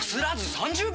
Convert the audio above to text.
３０秒！